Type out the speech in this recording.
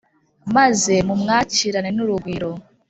maze mumwakirane n'urugwiro